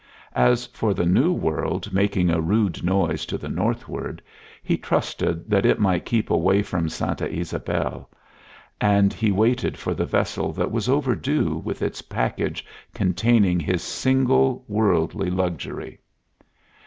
As for the new world making a rude noise to the northward, he trusted that it might keep away from Santa Ysabel, and he waited for the vessel that was overdue with its package containing his single worldly luxury.